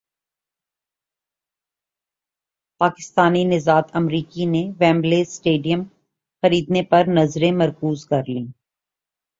پاکستانی نژاد امریکی نے ویمبلے اسٹیڈیم خریدنے پر نظریں مرکوز کر لیں